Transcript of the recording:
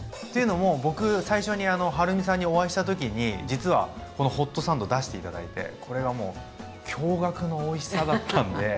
というのも僕最初にはるみさんにお会いした時に実はこのホットサンド出して頂いてこれがもう驚がくのおいしさだったんで。